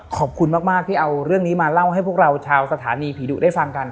ขอบคุณมากที่เอาเรื่องนี้มาเล่าให้พวกเราชาวสถานีผีดุได้ฟังกัน